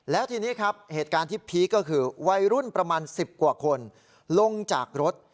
แล้วทีนี้ครับเหตุการณ์ที่พีคก็คือวัยรุ่นประมาณ๑๐กว่าคนลงจากรถ